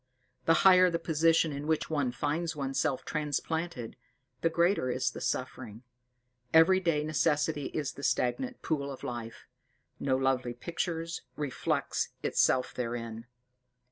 The higher the position in which one finds oneself transplanted, the greater is the suffering. Everyday necessity is the stagnant pool of life no lovely picture reflects itself therein.